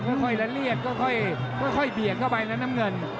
ก็ค่อยเรียกเรียกเข้าไปนั้นน้ำเงิน